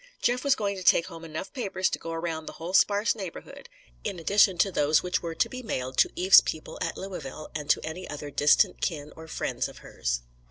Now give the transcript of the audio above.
Jeff was going to take home enough papers to go around the whole sparse neighbourhood, in addition to those which were to be mailed to Eve's people at Louisville and to any other distant kin or friends of hers.